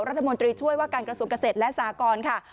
รัฐมนตรีช่วยว่าการกระทรวงเกษตรและสากรค่ะ